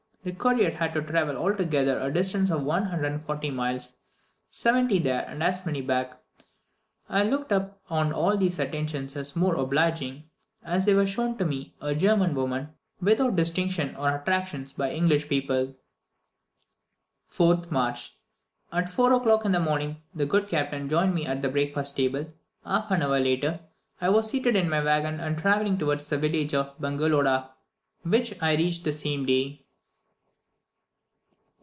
The courier had to travel altogether a distance of 140 miles 70 there and as many back. I looked upon all these attentions as the more obliging, as they were shown to me a German woman, without distinction or attractions by English people. 4th March. At 4 o'clock in the morning, the good captain joined me at the breakfast table; half an hour later, I was seated in my waggon and travelling towards the village of Bongeloda, which I reached the same day.